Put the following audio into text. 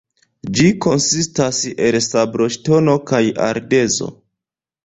Ĝi konsistas el sabloŝtono kaj ardezo.